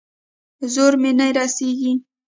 زور مې نه رسېږي.